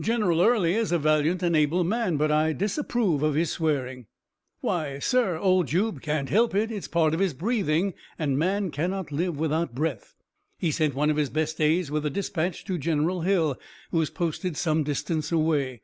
"General Early is a valiant and able man, but I disapprove of his swearing." "Why, sir, 'Old Jube' can't help it. It's a part of his breathing, and man cannot live without breath. He sent one of his best aides with a dispatch to General Hill, who is posted some distance away.